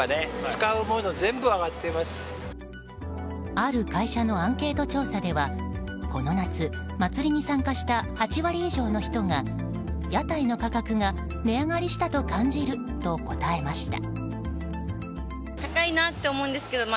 ある会社のアンケート調査ではこの夏、祭りに参加した８割以上の人が屋台の価格が値上がりしたと感じると答えました。